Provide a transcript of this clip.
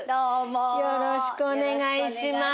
よろしくお願いします。